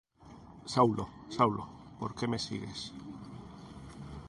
Saulo, Saulo, ¿por qué me persigues?